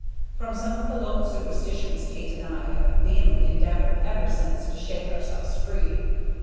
From some of the local superstitions Kate and I have vainly endeavored ever since to shake ourselves free.